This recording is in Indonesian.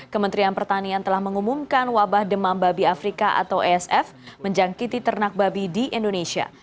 kementerian pertanian telah mengumumkan wabah demam babi afrika atau asf menjangkiti ternak babi di indonesia